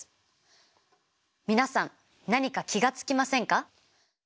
皆さん何か気が付きませんか？